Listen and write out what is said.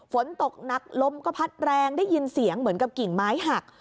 ฝนตกหนักลมก็พัดแรงได้ยินเสียงเหมือนกับกิ่งไม้หัก